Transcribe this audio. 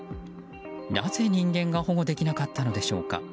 なぜ、人間が保護できなかったのでしょうか。